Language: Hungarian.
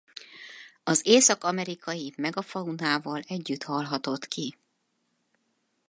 Az észak-amerikai megafaunával együtt halhatott ki.